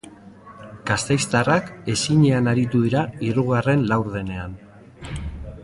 Gasteiztarrak ezinean aritu dira hirugarren laurdenean.